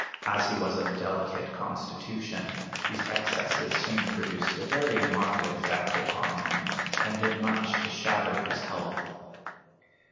As he was of a delicate constitution, these excesses soon produced a very marked effect upon him, and did much to shatter his health.